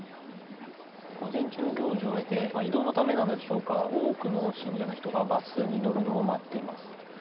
午前中の行事を終えて、移動のためなのでしょうか、多くの信者の人がバスに乗るのを待っています。